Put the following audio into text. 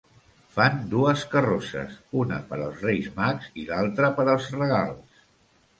Fan dues carrosses, una per als Reis Mags i l'altra per als regals.